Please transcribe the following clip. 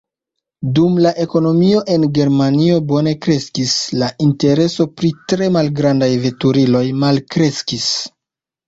Dum la ekonomio en Germanio bone kreskis, la intereso pri tre malgrandaj veturiloj malkreskis.